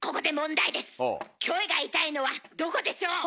キョエが痛いのはどこでしょう？